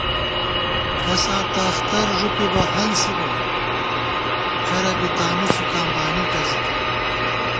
کساں تہ اخترݫُپِبہ ہنسِبہ ، کرہ بی تانُو فُکاں بانی ٹَزِتہ